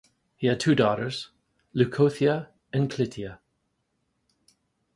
He had two daughters: Leucothea and Clytia.